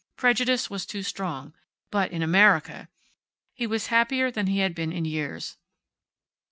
Prejudice was too strong. But in America! He was happier than he had been in years.